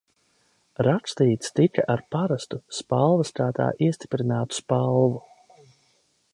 Rakstīts tika ar parastu, spalvaskātā iestiprinātu spalvu.